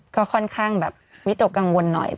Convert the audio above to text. ก็ค่อนข้างแบบวิตกกังวลหน่อย